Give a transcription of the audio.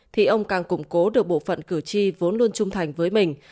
thì ông càng củng cố được bộ phận cử tri vốn luôn trung thành với mình